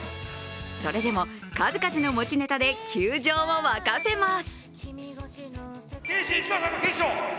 それでも数々の持ちネタで球場を沸かせます。